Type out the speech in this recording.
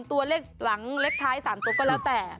ตัวเลขหลังเลขท้าย๓ตัวก็แล้วแต่